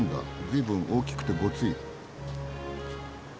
ずいぶん大きくてゴツい。